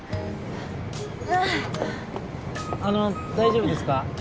あの大丈夫ですか？